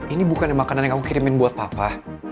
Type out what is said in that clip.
ini bukan yang makanan yang aku kirimin buat papa